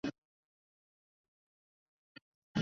尚索尔地区圣博内人口变化图示